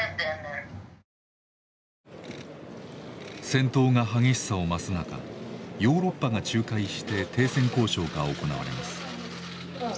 戦闘が激しさを増す中ヨーロッパが仲介して停戦交渉が行われます。